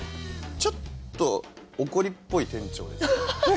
ちょっと怒りっぽい店長ですね。